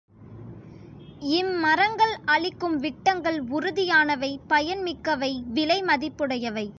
இம் மரங்கள் அளிக்கும் விட்டங்கள் உறுதியானவை பயன் மிக்கவை விலை மதிப்புடையவை.